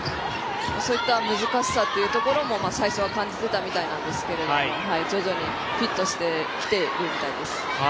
そういった難しさというところも最初は感じていたみたいなんですが徐々にフィットしているみたいです。